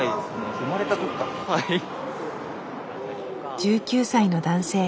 １９歳の男性。